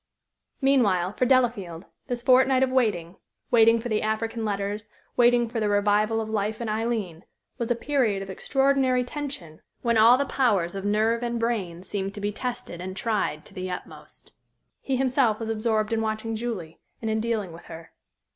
Meanwhile, for Delafield, this fortnight of waiting waiting for the African letters, waiting for the revival of life in Aileen was a period of extraordinary tension, when all the powers of nerve and brain seemed to be tested and tried to the utmost. He himself was absorbed in watching Julie and in dealing with her.